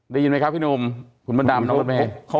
ได้ยินไหมครับพี่นุ่มคุณบดำน้องบอสเมย์